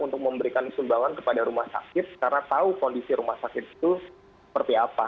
untuk memberikan sumbangan kepada rumah sakit karena tahu kondisi rumah sakit itu seperti apa